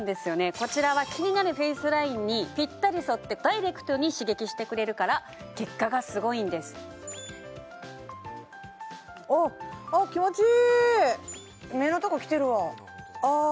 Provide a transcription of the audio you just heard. こちらは気になるフェイスラインにぴったりそってダイレクトに刺激してくれるから結果がすごいんですおっ目のとこきてるわ